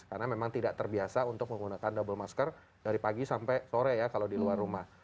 karena memang tidak terbiasa untuk menggunakan double masker dari pagi sampai sore ya kalau di luar rumah